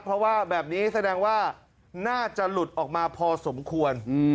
เพราะว่าแบบนี้แสดงว่าน่าจะหลุดออกมาพอสมควร